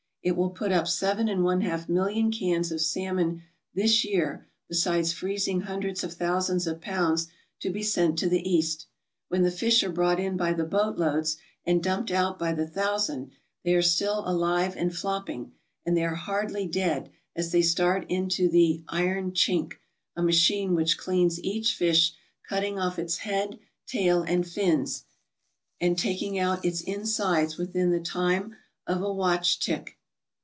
It will put up seven and one half million cans of salmon this year besides freezing hundreds of thousands of pounds to be sent to the East. When the fish are brought in t>y the boatloads and dumped out by the thousand they are still alive and flopping, and they are hardly dead as they start into the "iron chink, " a machine which cleans each fish, cutting off its head, tail, and fins and taking out its insides within the time of a watch tick.